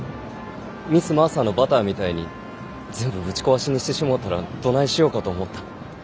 ミス・マーサのバターみたいに全部ぶち壊しにしてしもうたらどないしょうかと思った。